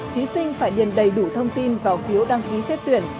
thí sinh phải điền đầy đủ thông tin vào phiếu đăng ký xét tuyển